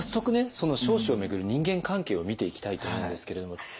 その彰子を巡る人間関係を見ていきたいと思うんですけれども。